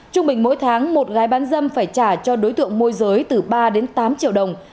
trung bình mỗi tháng một gái bán dâm phải trả cho đối tượng môi giới từ ba đến tám triệu đồng